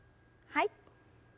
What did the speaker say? はい。